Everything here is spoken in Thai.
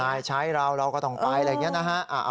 ใช่ใช้เราเราก็ต้องไปอะไรอย่างนี้นะฮะ